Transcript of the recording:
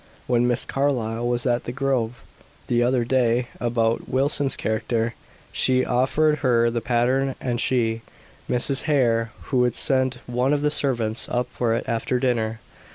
When Miss Carlyle was at the grove, the other day, about Wilson's character, she offered her the pattern, and she, Mrs. Hare, would send one of the servants up for it after dinner.